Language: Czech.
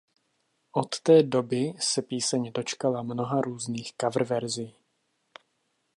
Od té doby se píseň dočkala mnoha různých coververzí.